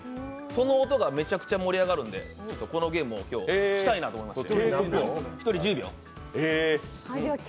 その音がめちゃくちゃ盛り上がるので、このゲームを今日したいなと思って。